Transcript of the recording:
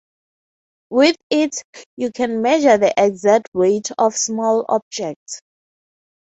With it, you can measure the exact weight of small objects